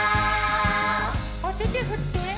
おててふって！